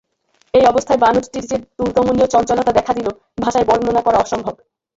এই অবস্থায় বানরটির যে দুর্দমনীয় চঞ্চলতা দেখা দিল, ভাষায় বর্ণনা করা অসম্ভব।